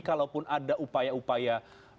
kalau pun ada upaya upaya